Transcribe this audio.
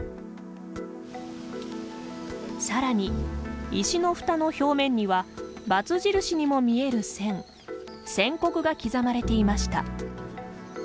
さらに、石のふたの表面にはバツ印にも見える線線刻が刻まれていました。